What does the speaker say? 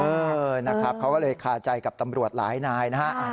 เออนะครับเขาก็เลยคาใจกับตำรวจหลายนายนะฮะ